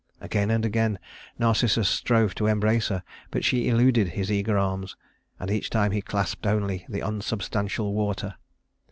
Again and again Narcissus strove to embrace her, but she eluded his eager arms, and each time he clasped only the unsubstantial water.